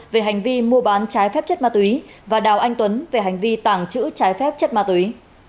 về hành vi mua bán trái phép chất ma túy và đào anh tuấn về hành vi tàng trữ trái phép chất ma túy